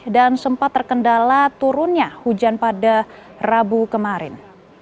dan sempat terkendala turunnya hujan pada rabu kemarin